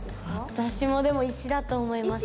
私も石だと思いますね。